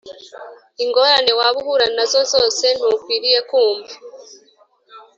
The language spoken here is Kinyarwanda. Ingorane Waba Uhura Na Zo Zose Ntukwiriye Kumva